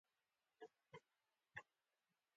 کتاب د استعدادونو د بیدارۍ وسیله ده.